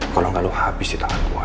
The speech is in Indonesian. kalo gak lu habis di tengah gua